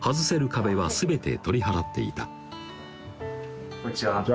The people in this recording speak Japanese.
壁は全て取り払っていたこんにちは